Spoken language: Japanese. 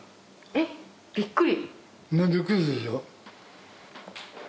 えっびっくり！